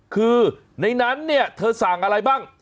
คือในนั้นเนี่ยเธอสั่งอะไรบ้าง